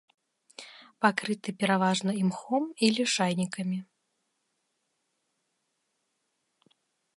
Пакрыты пераважна імхом і лішайнікамі.